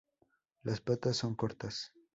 Las patas son cortas.